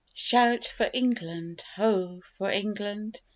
Shout for England! Ho! for England!